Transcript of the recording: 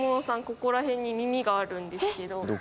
ここら辺に耳があるんですけど。